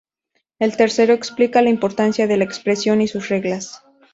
El tercero explica la importancia de la expresión y sus reglas.